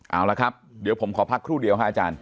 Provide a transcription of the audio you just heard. เอาละครับเดี๋ยวผมขอพักครู่เดียวฮะอาจารย์